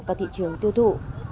và thị trường tiêu thụ